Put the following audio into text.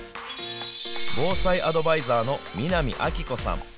防災アドバイザーの南あきこさん。